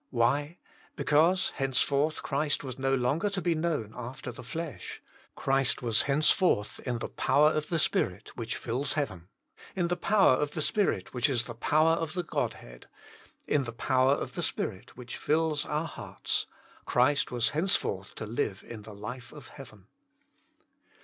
Why ? Because henceforth Christ was no longer to be known after the flesh. Christ was henceforth in the power of the Spirit, which fills Heaven; in the power of the Spirit which is the power of the Godhead; in the power of the Spirit, which fills our hearts. Christ was henceforth to live in the life of Heaven.